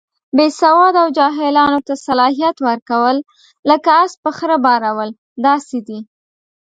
بې سواده او جاهلانو ته صلاحیت ورکول، لکه اس په خره بارول داسې دي.